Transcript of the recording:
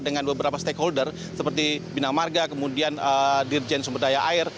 dengan beberapa stakeholder seperti bina marga kemudian dirjen sumber daya air